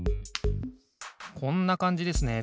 こんなかんじですね。